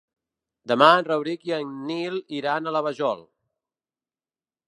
Demà en Rauric i en Nil iran a la Vajol.